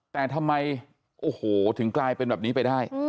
แต่ทำไมโอ้โหถึงกลายเป็นแบบนี้ไปได้